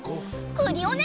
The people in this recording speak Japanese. クリオネ！